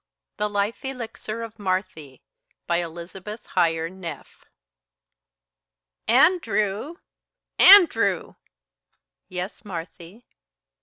THE LIFE ELIXIR OF MARTHY BY ELIZABETH HYER NEFF "An ndrew! An ndrew!" "Yes, Marthy."